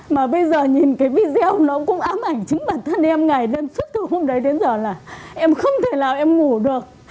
mà bây giờ nhìn cái video nó cũng ám ảnh chính bản thân em này lên sức từ hôm đấy đến giờ là em không thể nào em ngủ được